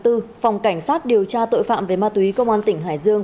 tháng bốn phòng cảnh sát điều tra tội phạm về ma túy công an tỉnh hải dương